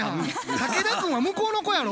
竹田くんは向こうの子やろ。